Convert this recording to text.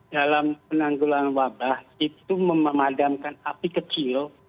dalam penanggulan wabah itu memadamkan api kecil